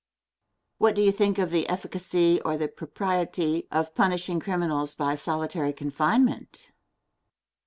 What do you think of the efficacy or the propriety of punishing criminals by solitary confinement?